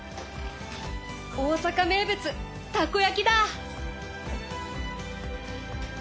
大阪名物たこやきだ。